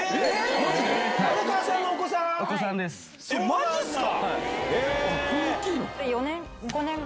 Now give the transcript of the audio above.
マジっすか！